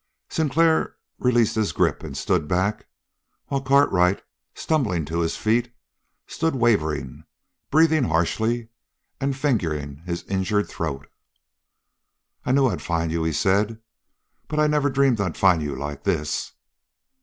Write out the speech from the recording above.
Sinclair released his grip and stood back, while Cartwright, stumbling to his feet, stood wavering, breathing harshly and fingering his injured throat. "I knew I'd find you," he said, "but I never dreamed I'd find you like this!"